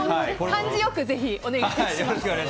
感じ良く、ぜひお願いします。